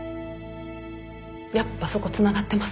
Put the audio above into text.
やっぱそこつながってます？